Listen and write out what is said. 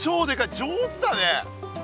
上手だね！